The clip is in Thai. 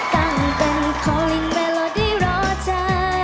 ตั้งเป็นคอลิงเมโลดี้รอเธอ